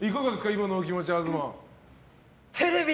今のお気持ち、東。